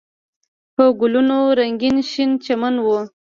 په ګلونو رنګین شین چمن و.